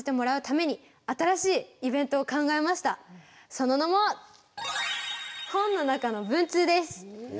その名も「本の中の文通」です！